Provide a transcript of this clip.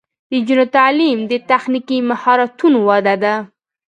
د نجونو تعلیم د تخنیکي مهارتونو وده ده.